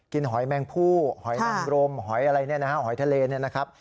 กินหอยแมงผู้หอยนำรมหอยอะไรนี่นะฮะหอยทะเลนะครับ